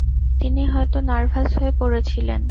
তিনি হয়ত নার্ভাস হয়ে পড়েছিলেন।